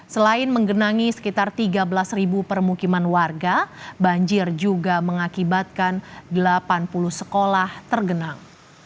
selain menggenangi sekitar tiga belas permukiman warga banjir juga mengakibatkan delapan puluh sekolah tergenang